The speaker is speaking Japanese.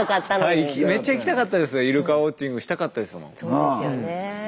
そうですよね。